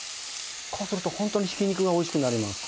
こうするとホントにひき肉がおいしくなります。